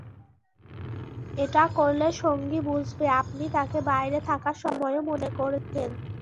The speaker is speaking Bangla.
এটা করলে সঙ্গী বুঝবে, আপনি তাকে বাইরে থাকার সময়ও মনে করেছেন।